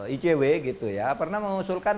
icw gitu ya pernah mengusulkan